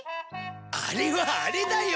あれはあれだよ。